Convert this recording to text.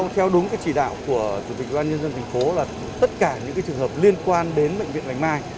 theo đúng cái chỉ đạo của chủ tịch an nhân dân thành phố là tất cả những trường hợp liên quan đến bệnh viện bạch mai